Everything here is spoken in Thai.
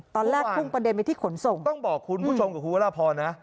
ตอนแรกพุ่งประเด็นไปที่ขนส่งต้องบอกคุณผู้ชมกับคุณวรพรนะ